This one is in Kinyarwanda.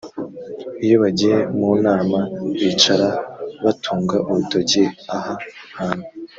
iyo bagiye mu nama bicara batunga urutoki aha hantu